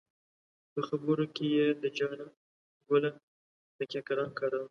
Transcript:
په خبرو کې یې د جانه ګله تکیه کلام کاراوه.